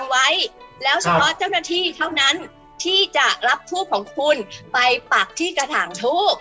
นี่คือความต่างสเจค่ะคุณที่มีสายเต่าบ่อการ